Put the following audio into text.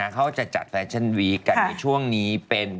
เขาจะจัดแฟชั่นวีคกันในช่วงนี้เป็น